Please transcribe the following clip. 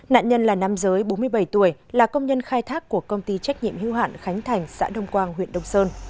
nạn nhân là nam giới bốn mươi bảy tuổi là công nhân khai thác của công ty trách nhiệm hưu hạn khánh thành xã đông quang huyện đông sơn